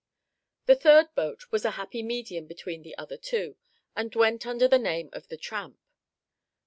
The third boat was a happy medium between the other two, and went under the name of the Tramp.